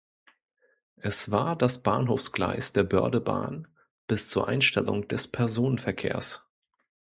Es war das Bahnhofsgleis der Bördebahn bis zur Einstellung des Personenverkehrs.